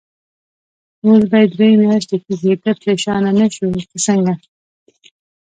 اوس به یې درې میاشتې کېږي، ته پرېشانه نه شوې که څنګه؟